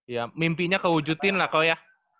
ya mimpinya kewujudin lah kau ya